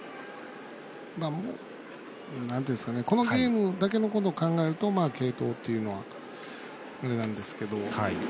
このゲームのことだけを考えると継投っていうのはあれなんですけど。